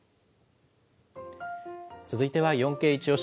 続いては４Ｋイチオシ！